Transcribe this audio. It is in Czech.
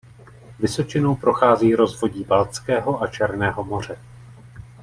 Vysočinou prochází rozvodí Baltského a Černého moře.